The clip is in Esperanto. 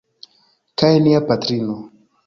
Kaj nia patrino!